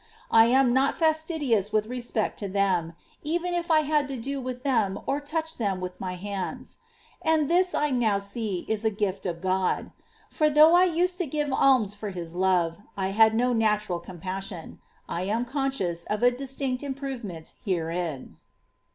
I am not fastidious with respect to them, even if I had to do with them or touched them with my hands, — and this I now see is a gift of God ; for though I used to give alms for His love, I had no natural compassion. I am conscious of a distinct im provement herein.